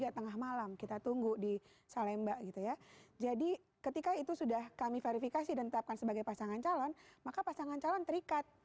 ya tengah malam kita tunggu di salemba gitu ya jadi ketika itu sudah kami verifikasi dan tetapkan sebagai pasangan calon maka pasangan calon terikat